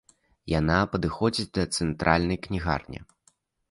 Яна падыходзіць да цэнтральнай кнігарні.